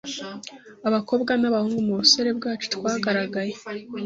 abakobwa nabahungu Mubusore bwacu twagaragaye